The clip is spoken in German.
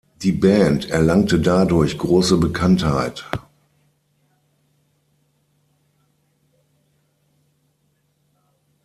Die Band erlangte dadurch große Bekanntheit.